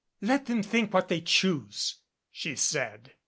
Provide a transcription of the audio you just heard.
"Let them think what they choose," she said.